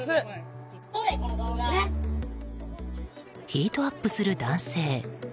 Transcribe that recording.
ヒートアップする男性。